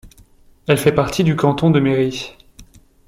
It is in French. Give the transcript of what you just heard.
Elle fait partie du canton de Méri.